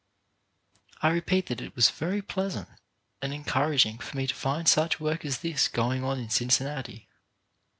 I repeat that it was very pleasant and encourag ing for me to find such work as this going on in Cincinnati.